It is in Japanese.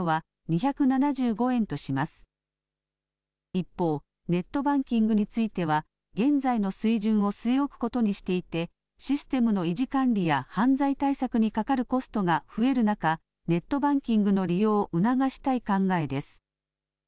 一方、ネットバンキングについては現在の水準を据え置くことにしていてシステムの維持・管理や犯罪対策にかかるコストが増える中、ネットバンキングの利用を促したい考えです。